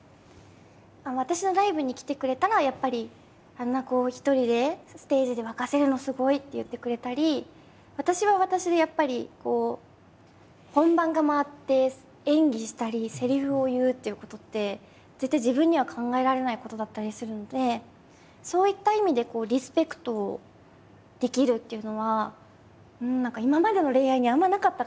私のライブに来てくれたらやっぱり「あんな一人でステージで沸かせるのすごい」って言ってくれたり私は私でやっぱりこう本番が回って演技したりせりふを言うっていうことって絶対自分には考えられないことだったりするんでそういった意味でリスペクトできるっていうのは今までの恋愛にあんまなかったかもしれないですね。